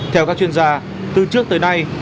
theo các chuyên gia từ trước tới nay